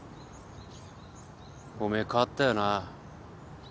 おめえ変わったよな。